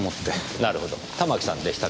なるほどたまきさんでしたか。